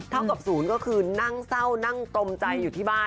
กับศูนย์ก็คือนั่งเศร้านั่งตมใจอยู่ที่บ้าน